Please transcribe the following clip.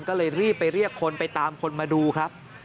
ก็เลยรีบไปเรียกคนไปตามคนมาดูครับ